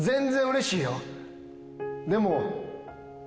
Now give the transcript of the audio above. でも。